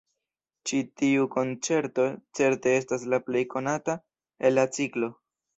Ĉi tiu konĉerto certe estas la plej konata el la ciklo.